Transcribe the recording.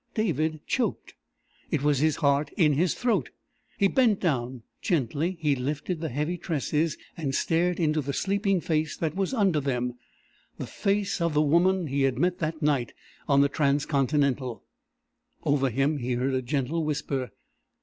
David choked. It was his heart in his throat. He bent down. Gently he lifted the heavy tresses, and stared into the sleeping face that was under them the face of the woman he had met that night on the Transcontinental! Over him he heard a gentle whisper.